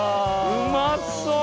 うまそう！